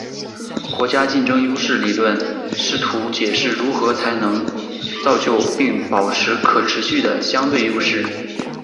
国家竞争优势理论试图解释如何才能造就并保持可持续的相对优势。